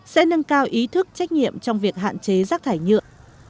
sẽ nâng cao ý thức trách nhiệm trong việc hạn chế rác thải nhựa